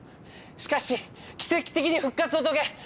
しかし奇跡的に復活を遂げ